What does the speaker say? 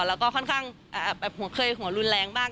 แล้วก็ค่อนข้างแบบหัวเคยหัวรุนแรงบ้าง